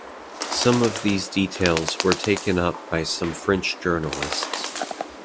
Some of these details were taken up by some French journalists.